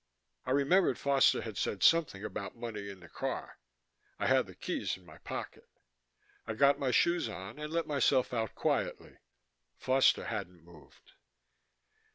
I remembered Foster had said something about money in the car. I had the keys in my pocket. I got my shoes on and let myself out quietly. Foster hadn't moved.